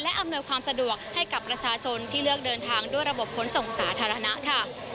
อำนวยความสะดวกให้กับประชาชนที่เลือกเดินทางด้วยระบบขนส่งสาธารณะค่ะ